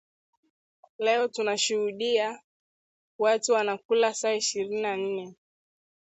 Leo tunashuhudia watu wanakula saa ishirini na nne